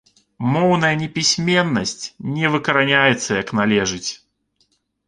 Моўная непісьменнасць не выкараняецца як належыць.